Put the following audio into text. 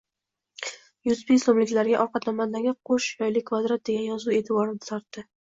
Yuz ming soʻmlikning orqa tomonidagi “Qoʻsh yoyli kvadrant” degan yozuv eʼtiborimni tortdi.